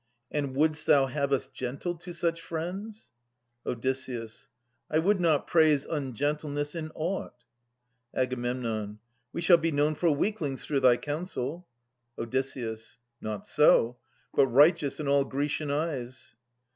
And wouldst thou have us gentle to such friends ? Od. I would not praise ungentleness in aught. Ag. We shall be known for weaklings through thy counsel. Od. Not so, but righteous in all Grecian eyes.